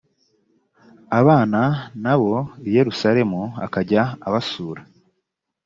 abana na bo i yerusalemu akajya abasura